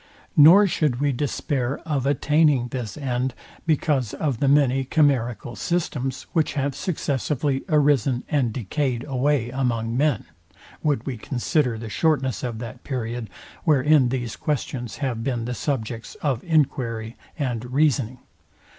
Nor should we despair of attaining this end, because of the many chimerical systems, which have successively arisen and decayed away among men, would we consider the shortness of that period, wherein these questions have been the subjects of enquiry and reasoning.